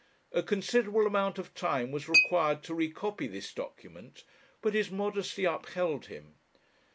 A considerable amount of time was required to recopy this document, but his modesty upheld him.